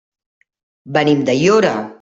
Venim d'Aiora.